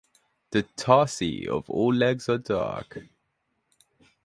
The tarsi of all legs are dark.